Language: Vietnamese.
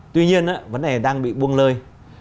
tuy nhiên vấn đề đang bị buông lơi